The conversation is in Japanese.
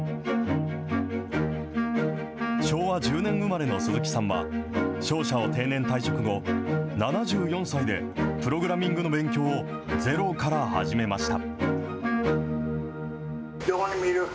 昭和１０年生まれの鈴木さんは、商社を定年退職後、７４歳で、プログラミングの勉強をゼロから始めました。